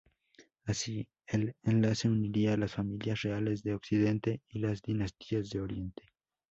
Así, el enlace uniría las familias reales de Occidente y las dinastías de Oriente.